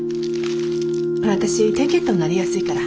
ほら私低血糖になりやすいから。